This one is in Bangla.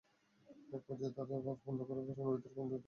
একপর্যায়ে তাঁরা কাজ বন্ধ করে কারখানার ভেতরে কর্মবিরতি পালন করতে থাকেন।